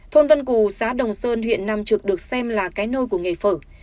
thôn vân cù xã đồng sơn huyện nam trực được xem là cái nôi của nghề phở